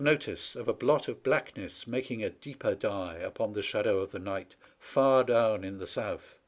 notice of a blot of blackness making a deeper dye upon the shadow of the night far down in the south.